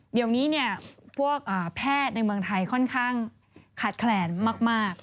เดี๋ยวนี้พวกแพทย์ในเมืองไทยค่อนข้างขาดแคลนมาก